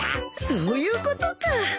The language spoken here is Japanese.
そういうことか。